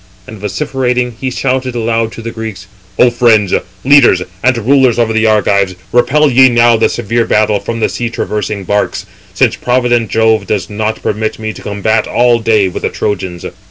And vociferating, he shouted aloud to the Greeks: "O friends, leaders, and rulers over the Argives, repel ye now the severe battle from the sea traversing barks, since provident Jove does not permit me to combat all day with the Trojans."